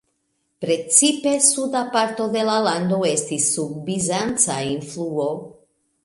Precipe suda parto de la lando estis sub bizanca influo.